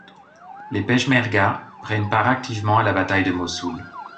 Les peshmergas prennent part activement à la bataille de Mossoul.